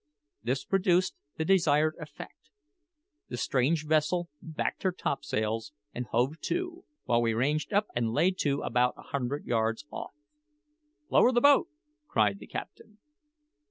This produced the desired effect. The strange vessel backed her topsails and hove to, while we ranged up and lay to about a hundred yards off. "Lower the boat!" cried the captain.